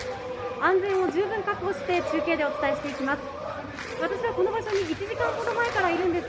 安全を十分確保して、中継でお伝えしていきます。